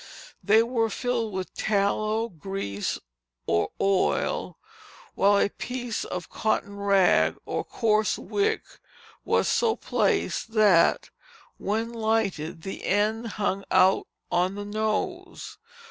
They were filled with tallow, grease, or oil, while a piece of cotton rag or coarse wick was so placed that, when lighted, the end hung out on the nose.